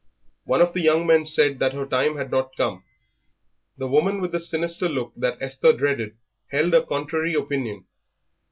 One of the young men said that her time had not come. The woman with the sinister look that Esther dreaded, held a contrary opinion.